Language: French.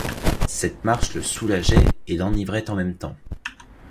Cette marche le soulageait et l’enivrait en même temps.